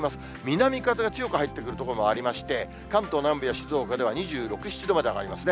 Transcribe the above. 南風が強く入ってくる所もありまして、関東南部や静岡では２６、７度まで上がりますね。